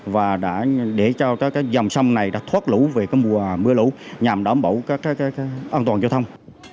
và để cho dòng sông này thoát lũ về mưa lũ nhằm đảm bảo an toàn giao thông